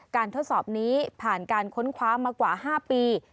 ทดสอบนี้ผ่านการค้นคว้ามากว่า๕ปี